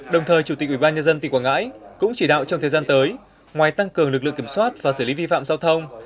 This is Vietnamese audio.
đồng thời chủ tịch ubnd tỉnh quảng ngãi cũng chỉ đạo trong thời gian tới ngoài tăng cường lực lượng kiểm soát và xử lý vi phạm giao thông